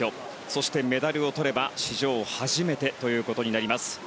そしてメダルをとれば史上初めてとなります。